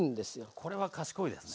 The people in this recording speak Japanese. これは賢いですね